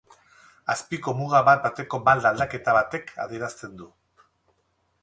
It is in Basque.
Azpiko muga bat bateko malda-aldaketa batek adierazten du.